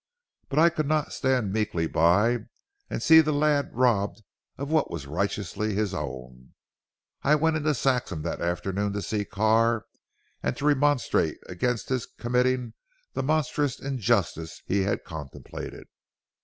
But I could not stand meekly by and see the lad robbed of what was righteously his own. I went into Saxham that afternoon to see Carr and to remonstrate against his committing the monstrous injustice he contemplated.